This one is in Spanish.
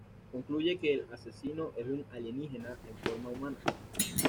Concluye que el asesino es un alienígena en forma humana.